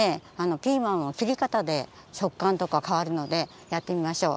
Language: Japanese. ピーマンの切り方でしょっかんとかかわるのでやってみましょう。